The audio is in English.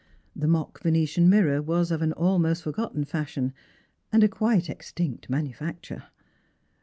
The mock venetian mir ror was of an almost forgotten fashion and a quite extinct manufacture.